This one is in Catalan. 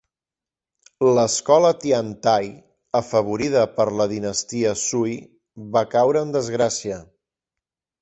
L"escola Tiantai , afavorida per la dinastia Sui, va caure en desgràcia.